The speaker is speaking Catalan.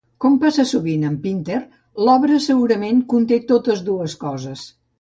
Com passa sovint amb Pinter, l'obra segurament conté totes dues coses.